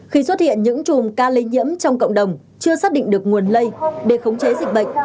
khi xuất hiện những chùm ca lây nhiễm trong cộng đồng chưa xác định được nguồn lây để khống chế dịch bệnh